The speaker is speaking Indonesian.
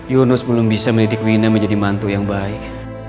yunus belum bisa mendidik wina menjadi mantu yang baik